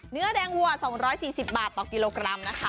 เนื้อแดงวัว๒๔๐บาทต่อกิโลกรัมนะคะ